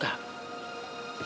kamu gadis atau janda